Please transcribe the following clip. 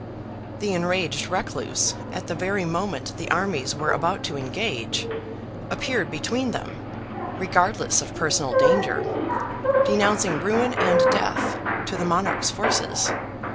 The enraged recluse, at the very moment the armies were about to engage, appeared between them, regardless of personal danger, denouncing ruin and death to the monarch's forces.